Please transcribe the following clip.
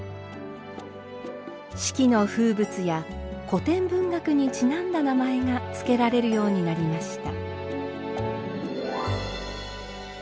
四季の風物や古典文学にちなんだ名前が付けられるようになりました。